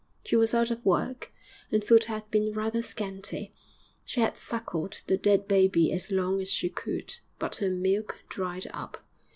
She was out of work, and food had been rather scanty; she had suckled the dead baby as long as she could, but her milk dried up.